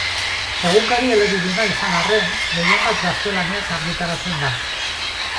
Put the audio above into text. Egunkari elebiduna izan arren, gehienbat gaztelaniaz argitaratzen da.